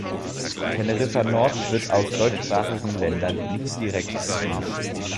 Teneriffa Nord wird aus deutschsprachigen Ländern nicht direkt bedient.